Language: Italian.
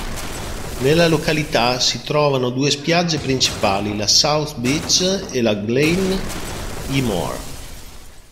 Nella località si trovano due spiagge principali, la "South Beach" e la "Glan-y-Mor".